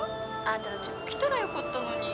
あんたたちも来たらよかったのに。